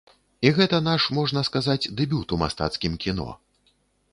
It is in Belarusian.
І гэта наш, можна сказаць, дэбют у мастацкім кіно.